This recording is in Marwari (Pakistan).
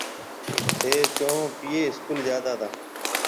ٿَي چونه پيي اسڪول جاتا تا۔